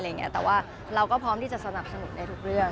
แต่ว่าเราก็พร้อมที่จะสนับสนุนในทุกเรื่อง